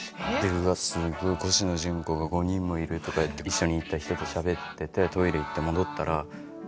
うわっすごいコシノジュンコが５人もいるとかいって一緒に行った人としゃべっててトイレ行って戻ったら。